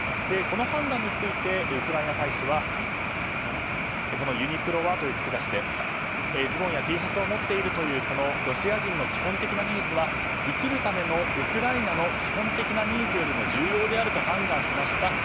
この判断についてウクライナ大使はユニクロはという書き出しでズボンやＴシャツを持っているというこのロシア人の基本的なニーズは生きるためのウクライナの基本的なニーズよりも重要であると判断しました。